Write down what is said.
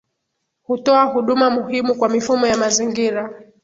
Hutoa huduma muhimu kwa mifumo ya mazingira